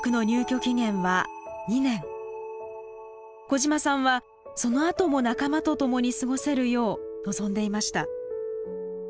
小嶋さんはそのあとも仲間と共に過ごせるよう望んでいました。